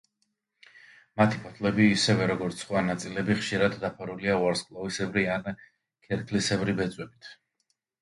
მათი ფოთლები, ისევე როგორც სხვა ნაწილები, ხშირად დაფარულია ვარსკვლავისებრი ან ქერქლისებრი ბეწვებით.